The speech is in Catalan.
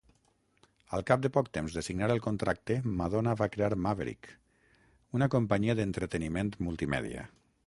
Al cap de poc temps de signar el contracte, Madonna va crear Maverick, una companyia d'entreteniment multimèdia.